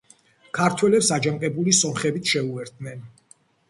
ქართველებს აჯანყებული სომხებიც შეუერთდნენ.